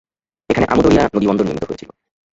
এখানে আমু দরিয়া নদীবন্দর নির্মিত হয়েছিল।